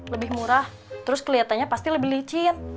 lebih murah terus kelihatannya pasti lebih licin